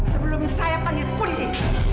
sebelum saya panggil polisi